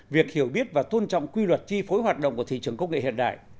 việc hiểu biết và tôn trọng quy luật chi phối hoạt động của thị trường công nghệ hiện đại